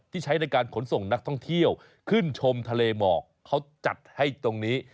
ใช้ในการขนส่งนักท่องเที่ยวขึ้นชมทะเลหมอกเขาจัดให้ตรงนี้